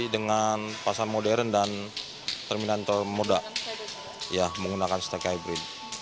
dengan pasar modern dan terminal intermodal menggunakan stek hybrid